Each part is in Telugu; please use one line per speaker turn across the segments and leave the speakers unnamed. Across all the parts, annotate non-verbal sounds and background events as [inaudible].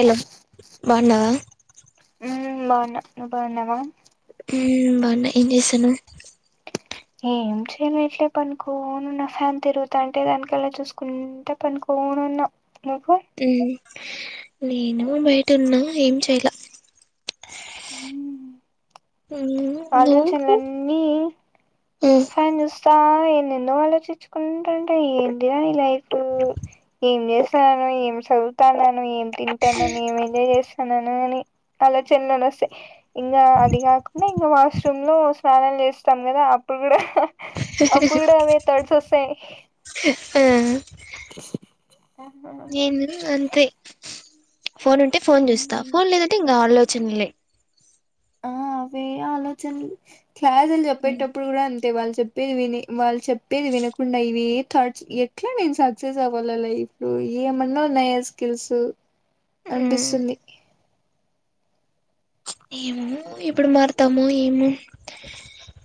హలో [unintelligible]
ఉమ్ బాగున్నా నువ్వు బాగున్నావా
ఉమ్ బాగున్నా ఏం చేస్తున్నావ్
ఏం చేయట్లే పనుకోనున్న ఫ్యాన్ తిరుగుతా అంటే దానికల్లా చూసుకుంటే పనుకోని ఉన్నా
హ్మ్మ్ నేను బయటున్నా ఏం చెయాల ఉమ్ నువ్వు
ఆలోచనలన్నీ
ఉమ్
ఫ్యాన్స్ ఎన్నెన్నో ఆలోచించుకుంటా ఉంటాం ట ఏంటి ఈ లైఫ్ ఏం చేస్తున్నాను ఏం చదువుతాన్నాను ఏం తింటాను న ఏం ఎంజాయ్ చేస్తాన్నాను అని అలా చిన్న అణసే ఇంగా అది కాకుండా ఇంగ వాష్రూమ్ లో స్నానాలు చేస్తాం కదా అప్పుడు ఇప్పుడా అప్పుడు కూడా అదే థాట్స్ వస్తాయి
ఆ తే ఫోన్ ఉంటే ఫోన్ చూస్తా
ఉమ్
ఫోన్ లేదంటేంకా ఆ చిన్నలై
ఆ అవి ఆలోచన క్లాస్లు
ఉమ్
చెప్పేటప్పుడు కూడా అంతే వాళ్ళు చెప్ప చెప్పేది వినే వాళ్ళు చెప్పేది వినకుండా ఇవి ఏ థాట్స్ ఎట్లా నేను సక్సెస్ అవ్వాల లైఫ్ లో ఏమన్నా నయా స్కిల్స్
ఉమ్,
అనిపిస్తుంది
ఏమో ఎప్పుడు మారతామో ఏమో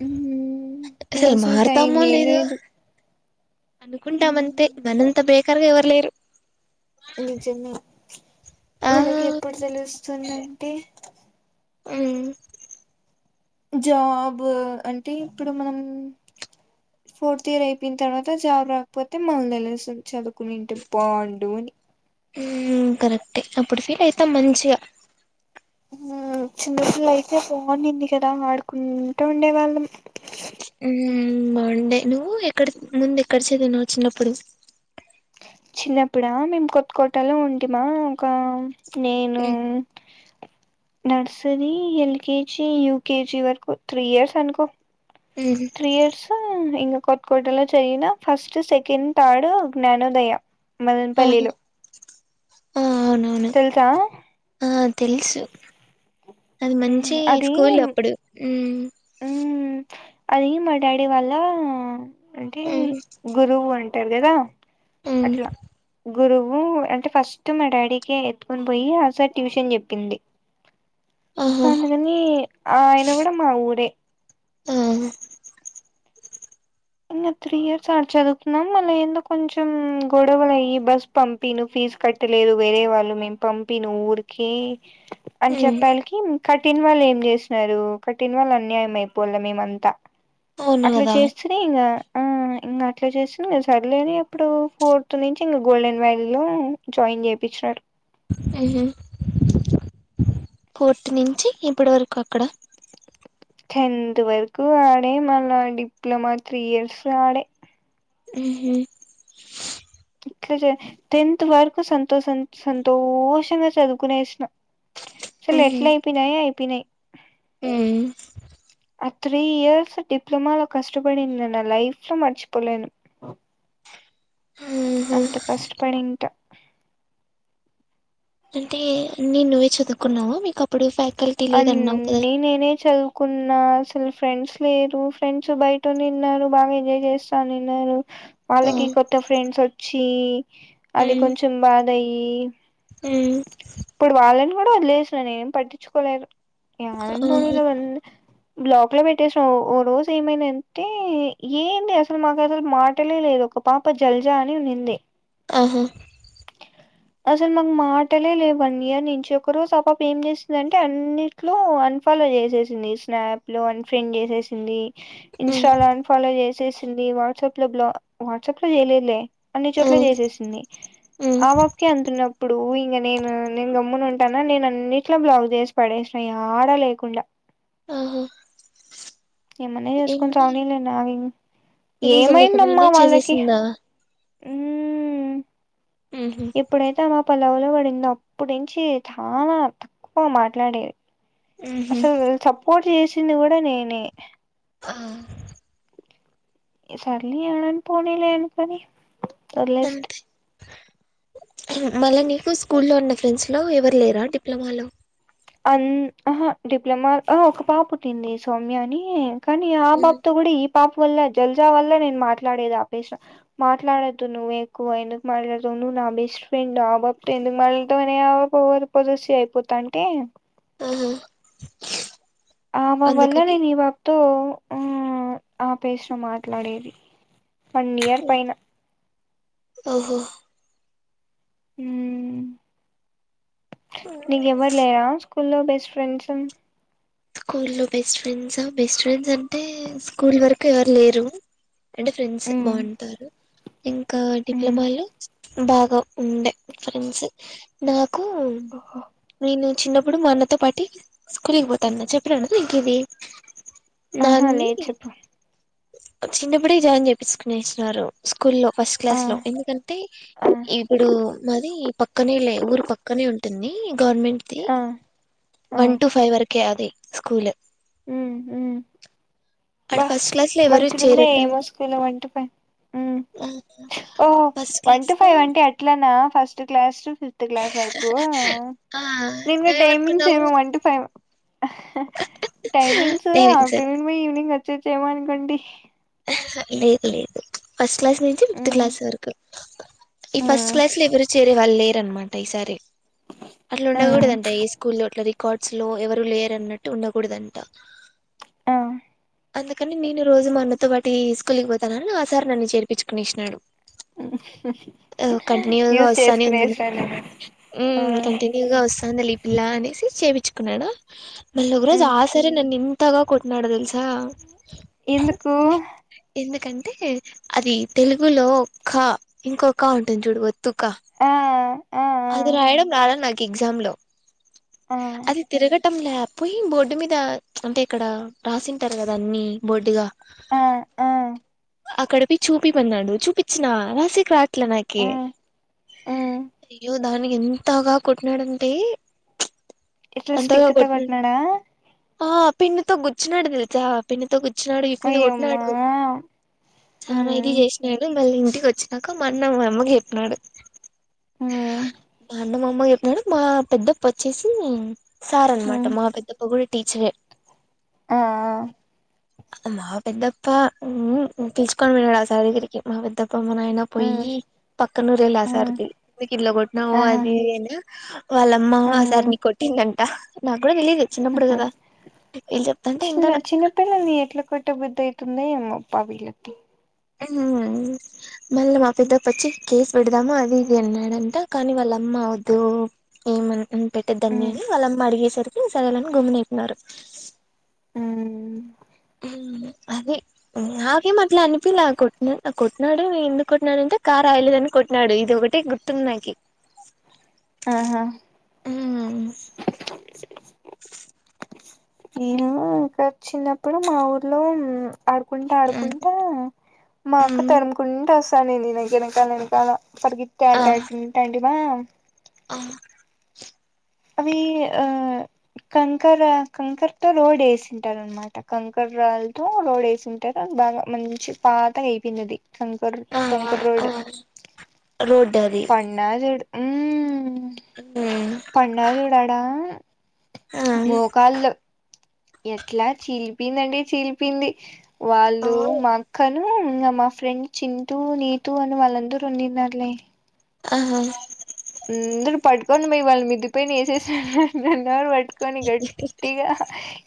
ఉమ్, ఇప్పుడు
అసలు మారుతామో
టైమే
లేదు అనుకుంటా మంతే మనంత బే టర్ గా ఎవరులేరు
నిజమే
ఆ
మనకి ఎప్పుడు తెలుస్తుందంటే
అ
జాబ్ అంటే ఇప్పుడు మనం ఫోర్త్ ఇయర్ అయిపోయిన తర్వాత జాబ్ రాకపోతే మనల్ని తెలుస్తది చదువుకునింటే బాగుండు అని
హు కరెక్ట్ ఏ అప్పుడు ఫీల్ అయితాం మంచిగా
చిన్నపిల్ల అయితే బాగునింది కదా వాడుకుంటూ ఉండే వాళ్ళం
హు బాగుండే నువ్వు ఎక్కడ ముందు ఎక్కడ చదిినవవు చిన్నప్పుడు
చిన్నప్పుడా మేము కొత్త కోటలో ఉంటేమా ఒక నేను
ఉమ్
నర్సరి ఎల్కెజీ యూకెజీ వరకు త్రీ ఇయర్స్ అనుకో
ఉమ్
త్రీ ఇయర్స్ ఇంగ కొత్త కోటలో చదివిన ఫస్ట్ సెకండ్ థర్డ్ జ్ఞానోదయ
ఆహా
మదన్పల్లిలో
ఆ అవునవును ఆ తెలుసు అది
మ్మ్
మంచి
అది
స్కూల్ అప్పుడు హు
మ్మ్ అది మా డాడీ వాళ్ళ అంటే
మ్మ్
గురువు అం టర్ గదా
మ్మ్
అట్లా గురువు అంటే ఫస్ట్ మా డాడీకి ఎత్తుకొని పోయి ఆసార్ ట్యూషన్ చెప్పింది సో
ఆహా
డ్ కని ఆయన కూడా మా ఊరే
ఆ
ఇంగ త్రీ ఇయర్స్ ఆడ చదువుకుతున్నాం మళ్ళ ఏందో కొంచెం గొడవలు అయ్యి బస్ పంపిను ఫీజు కట్టలేదు వేరే వాళ్ళు మేము పంపిను ఊరికి అని
మ్మ్
చెప్పాలికి కఠిన వాళ్ళు ఏం చేసినారు కఠిన వాళ్ళు అన్యాయం అయిపోాల మేమంతా
అవును
అట్లా
కదా
చేస్తేనే ఇంగ ఆ ఇంకా అట్లా చేసింది సర్లే అని ఎప్పుడు ఫోర్త్ నుంచి ఇంగ గోల్డెన్ వ్యాలీ లో జాయిన్ చేపిచ్చరు
మ్ హు కోర్టు నుంచి ఇప్పటి వరకు అక్కడ
టెన్త్ వరకు ఆడే మళ్ళా డిప్లొమా త్రీ ఇయర్స్ ఆడే
మ్ హు
ట్లా టెన్త్ వరకు సంతోషం సంతోషంగా చదువుకునేసిన సలు ఎట్లా అయిపోయినాయె అయిపోయినాయి్
హు
ఆ త్రీ ఇయర్స్ డిప్లొమాలో కష్టపడింది నే నా లైఫ్ లో మర్చిపోలేను
ఆహా
అంత కష్టపడింట
అంటే అన్ని నువ్వే చదువుకున్నావు మీకు అప్
అ నె నేనే చదువ్ కున్నా అసల్ ఫ్రెండ్స్ లేరు ఫ్రెండ్స్ బయట ఉనిన్నారు బాగ్ ఎంజాయ్ చేస్తానిన్నారు
ఆ
వాళ్లకి కొత్త ఫ్రెండ్స్ ఒ చీ అది
మ్మ్
కొంచం బాగ్ నయీ
మ్మ్
పడ్వాలన్ కుడ ఒద్లేష్ననే పట్ చుకోలేర్
ఆహా
[unintelligible] బ్లాక్ లొ పెట్టేసిన ఓ రోజు ఏమైందంటే ఏంలె అసల్ మాక్ అసల్ మాటలే లేదు ఒక పాప జల్జా అని ఉన్నింది
ఆహా
అసల్ మాక్ మాటలే లే వన్ ఇయర్ నుంచి ఒకరోజ్ ఆ పాప ఏం చేసి అంటే అన్నిట్లో అన్ఫాలొ చేసేసింది స్నాప్ లో అన్ఫ్రెండ్ చేసేసింది
మ్మ్
ఇన్స్టాల అన్ఫాలొ చేస్ చేసింది వాట్సప్ లో బ్లా వాట్సాప్ లో చేయలేలె అన్ని
ఆ
చోట్ల చేసేసింది
మ్మ్
ఆబాబ్కే అంతున్నప్ ఇప్పుడూ ఇంగ నేన్ నేను గమ్మున ఉంటానా నేన్ అన్ని ట్ల బ్లాక్ పడేసిన ఇగ ఆడా లేకుండ
ఆహా
ఏమన్నా చేసుకోన్
ఏమి
సాని నేన్ రానీ
రీజన్ లే కదా నన్ననే చేసేసిందా
మ్
మ్హూ
ఎప్పుడైతె అమప్ పలవులో పడిందొ అప్పునుంచి థాన తక్కువ మాట్లాడేద్
మ్హూ
అసల్ సపోర్ట్ చేష్ ఇంది గుడ నేనే
హా
సర్లె అనన్ పోనీలే అనుకొని సొర్లెస్ట్
మళ్ళ నీకు స్కూల్లొ ఉన్న ఫ్రెండ్స్ లో ఎవర్ లేరా డిప్లమాలో
అన్ ఆహా డిప్లమా ఆ ఒక పాప్ తింది సౌమ్య అనీ కానీ ఆ
ఉమ్.
బాప్ తొ గుడా ఈ పాప్ వల్ల జల్జా వల్ల నేను మాట్లాడేది ఆపేస్ మాట్లాడొద్దు నువ్వు ఎక్కువ ఎందుకు మాట్లాడదువు నువ్వు నా బెస్ట్ ఫ్రెండ్ ఆ బాబ్తొ ఎందుకు మాట్లాదుా అనే పొద అయిపోతా అంటే
ఆహా
ఆ మా వల్ల
అందుకని
నీ బాప్తో ఉమ్ ఆపేసిన మాట్లాడేది. వన్ ఇయర్
ఉమ్.
పైన
ఓహో
ఉం
ఉమ్.
నీకు ఎవరు లేరా. స్కూల్లో బెస్ట్ ఫ్రెండ్స్.
స్కూ లో బెస్ట్ ఫ్రెండ్సా బెస్ట్ ఫ్రెండ్స్ అంటే స్కూల్ వరకు ఎవరు లేరు. అంటే ఫ్రెండ్స్
మ్మ్
బాగుంటారు. ఇంకా
మ్మ్
డిప్లొమాలో బాగా ఉండే ఫ్రెండ్స్ నా కు
ఓహో
నేను చిన్న ఇప్పుడు మన్నతో పాటి స్కూల్కి పోంది. తన్న చెప్పిననా నికిది.
ఆహా
నన్ని
లేదు చెప్పు
చిన్నప్పుడే జాయిన్ చేయికునేస్తునన్నారు. స్కూల్ లో ఫస్ట్
ఆ
క్లాస్ లో ఎందుకంటే
ఆ
ఇప్పుడు మాది పక్కనే లే ఊరు పక్కనే ఉంటుంది. గవర్మెంట్ ది
ఆ
వన్టు ఫైవ్ వర్కు కే అది స్కూల్
ఉమ్ ఉం
అడ
బా
ఫస్ట్ క్లాస్ లో ఎవరు
మంచిద
చేరటం
ఏమోసుకోలో వంట ఫై ఓహో
first
one
class
to five
లో
వంటే అట్లానా, ఫస్ట్ క్లాస్ ఫిఫ్త్ క్లాస్ వరకు
ఆ
నేనుగా టైమింగ్స్
నువ్వేమనుకున్నావు
ఏమో one two five timings
diving
afternoon evening వచ్చేసి ఏం అనుకుంటి
లేదు లేదు. ఫస్ట్ క్లాస్ నుంచి ఫిఫ్త్
మ్మ్
క్లాస్ వరకు ఈ
ఆ
ఫస్ట్ క్లాస్ లో ఎవరు చేరే వాళ్ళు లేరు. అన్నమాట ఈ సారి కార్ట్స్ లో ఎవరు లేరున్నట్టు ఉండకూడదంట.
ఆ
అందుకని నేను రోజు మా అన్నతో వాటి స్కూల్కి పోతానని ఆ సార్ నన్ను చేర్పించుకుని ఎసినాడు.
యూస్
వస్తానే ఉందిలే
చేసుకునేసినావు లే
హ్మ్. కంటిన్యూగా వస్తాంది. ఇలా అనేసి చేపిచ్చుకున్నాడా. మళ్ళ ఒక రోజు ఆ సారే నన్నూ ఇం కొత్తగా కొట్డదల్
ఎందుకు
అంటే అది తెలుగులో క ఇంకొకా ఉంటుంది చూడ వత్తు
ఆ ఆ
ఆది రాయడం రా నాకు ఎగ్జామ్ లో
ఆ
అది తిరగట్ లే లేకపోయి బోర్డు మీద అంటే ఇక్కడ రాసింటారు కదా అన్ని బోర్డుగా
ఆ ఆ
అక్కడ పో చూపి పన్నాడు చూపచ్చిన రాసికి రా ఇల నాకి
మ్
అయ్యో దానికి ఎంతగా కుట్టినాడంటే
ఎట్లా స్టిక్తో కొట్టినాడా
ఆ పితో గుచ్చుడు తెలిచ్చా పి గు వచ్చినాడు ఇ మీద
అయ్యమ్మా
కొట్టినాడు చాల ఇది
మ్
చేసినాడు మళ్ళీ. ఇంటికి వచ్చాక మన్న మమ్మ చెప్పినాడు
మ్
బ అన్న మామ్మ చెప్పినాడు మా పెద్దప్ప వచ్చేసి సారన మాట
మ్
మహా పెద్ద కూడా టీచరే
ఆ
మా పెద్దప్ప పిలుచకొని విన్నాడు ఆ సారి దగ్గరికి మా పెద్దప్ప అ మనయినా
మ్
పోయి పక్కనూర సా
మ్
ఇ కిల్లో కొట్నవవు
ఆహా
అది ఏనా వాళ్ళమ్మమ్ ఆ
మ్
సారిని కొట్టిందంట నాకు కూడా తెలీయదు చిన్నప్పుడు కదా వీళ్ళు చెప్తాంటే
చిన్న
వింటాను
చిన్నపిల్లల్ని ఎట్లా కొట్టబుద్ధి అబ్బా వీళ్లకి
మళ్ళీ మా పెద్ద ప వచ్చి కేసు పెడదామా అది ఇది అన్నాడంట కానీ వాళ్ళ అమ్మ అవద్దు ఏమని. పెట్టే దాన్ని
మ్
అళ్ళ అడిగేసారు. సరేలే అని గమ్మన ఐపోనారు
అ
అది నాకేం అట్లా అనిపిలా కొట్టినా కొట్టినాడు ఎందుకు కొట్టినాడుంటే కార్ రాయలేదని కొట్టిడు ఇది ఒకటి గుర్తుంది నాకి.
ఆహా ఏను ఇంక చిన్నప్పుడు మా ఊర్లో. ఆడుకుంటా ఆడుకుంటా మా అక్క తరుముకుంటే వస్త. సని నకకాలనకాల పడుకితే
ఆ
ఆటంటండి మా
ఆ
అవి ఆ కంకర్ కంకర్ త లోడ్ వేసింటారు అనమాట కంకరాలతో లోడ్ వేసింటారు అది బాగా మంచి పాతగా అయిపోయింది. కంకర్ కంకర్ రోడ్
ఆ రోడ్
పన్న చుడు హు
హు
పన్న చూడాడా
ఆ
మొకళ్ళు ఎట్లా చీలిపిందండి చీలిపింది వాళ్ళు మా అక్క హు ఇంగ మా ఫ్రెండ్ చింటూ నీతూ అని వాళ్ళందరూ ఉండిన్నారులే
ఆహా
అందరు పట్కోండి మీ వాళ్ళ మిద్దపైనా ఏసేసన్నారు నన్నార్ కని గట్టిగా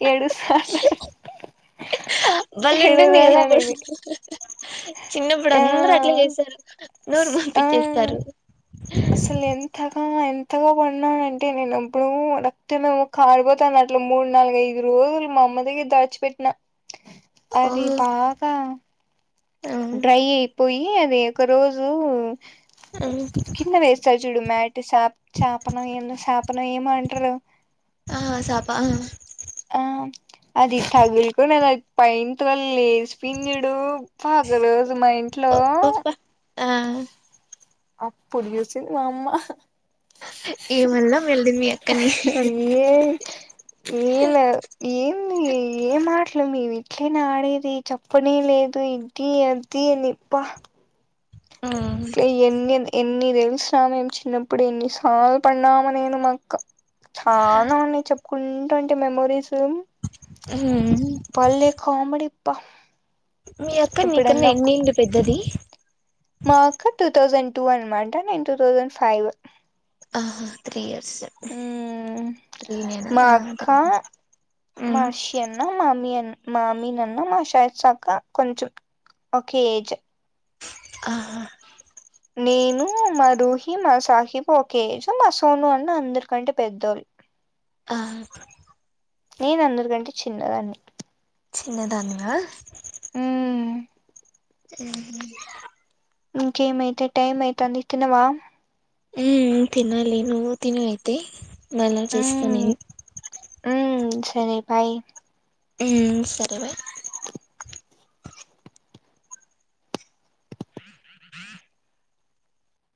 ఏడుస్తన్నర్
బలే
ఏడు
ఉంటుంది కదా అప్పుడు
[unintelligible]
చిన్నప్పుడు అందరు అట్లా చేసారు నోరు
ఆ
పంపించేస్తారు
అసలు ఎంతగా ఎ త్తగా పడిన్నానంటే నేను ఎప్పుడు రక్తమేమో కనిపోతాను అట్లా మూడు నాలుగు ఐదు రోజులు మా అమ్మ దగ్గర దాడిచిపెట్టినా అదిే
ఓహో
బాగా
ఆ
డ్రై అయిపోయి ఈ అది ఒక రోజు కింద వేస్తారు చూడుమాట్ సప్ చప్ నో ఏందో సాప్ పన ఏమంటారు
ఆ సాపా అ
ఆ అది తగ్గులకునే దక్ పైంత్ వాల్ ఏ లేస్పోయింది చుడు పాగలు మా ఇంట్లో
పప్ప ఆ
అప్పుడు చూసింది మా అమ్మా
ఏమల్ల మల్లి మీ అక్కని
ఏమి ఏ మాటలు మీవీ ఇట్లేనే ఆడేది చెప్పనే లేదు ఇది అది అని అబ్బ ట్ల ఎన్ని ఎన్ ఎన్ని తెలిసిన మేము చిన్నప్పుడు ఎన్నిసార్లు పడ్నామ నేను మా అక్క చాన ఉన్నాయి చెప్పుకుంటంటే మెమోరీస్
హు
కామిడీ ప్ప
మీ అక్క నీకన్నా ఎన్ని ఏండ్లు పెద్దది
మా అక్క టూర్ టూ తౌసండ్ టూ అనమాటా నేను టూ తౌసండ్ ఫైవ్
ఆహా తీ ఇయర్స్
మ్మ్
త్రీ నేనా
మా
ఆ
అక్క
త్రీనే
మా
ఉ
హర్షి అన్న మా అమ్మి అన్ మా అమీన్ అన్న మా షైత్సా అక్క కొంచెం ఒకే ఏజ్
ఆహా
నేను మా దూహి మా సాహిబ్ ఒకే ఏజు మా సోను అన్న అందరికంటే పెద్దోళ్ళు
ఆ
నేను అందరికంటే చిన్నదాన్ని
చిన్నదానివా
ఉ
ఉహు
ఇంకేమైతే టైం అయితుంది తినవా
ఉ తినాలి నువ్వు తిను అయితే మళ్ళా చేస్తా నేను
ఊ సరే బాయ్
ఉ సరే బయ్